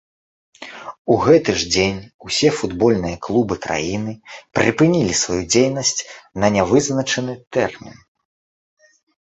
У гэты ж дзень усе футбольныя клубы краіны прыпынілі сваю дзейнасць на нявызначаны тэрмін.